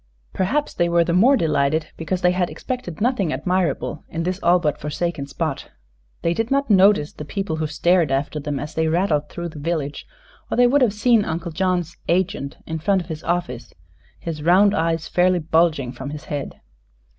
Perhaps they were the more delighted because they had expected nothing admirable in this all but forsaken spot. They did not notice the people who stared after them as they rattled through the village, or they would have seen Uncle John's "agent" in front of his office, his round eyes fairly bulging from his head.